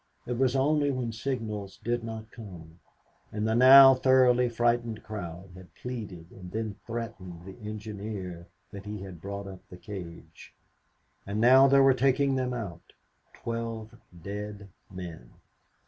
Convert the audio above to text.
It was only when signals did not come, and the now thoroughly frightened crowd had pleaded and then threatened the engineer that he had brought up the cage. And now they were taking them out twelve dead men.